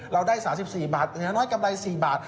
เราได้สามสิบสี่บาทเงินน้อยกำไรสี่บาท